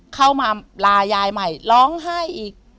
เข้ามาลายายใหม่ร้องไห้อีก